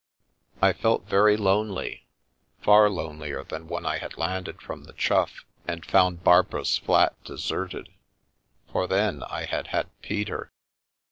I felt very lonely, far lonelier than when I had landed from the Chough and found Barbara's flat deserted — for then I had had Peter.